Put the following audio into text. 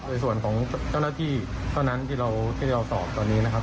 ในส่วนของเจ้าหน้าที่เท่านั้นที่เราสอบตอนนี้นะครับ